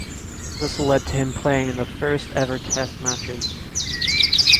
This led to him playing in the first-ever Test matches.